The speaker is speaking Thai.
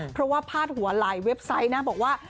เพราะว่าพาดหัวหลายเว็บไซต์นะบอกว่า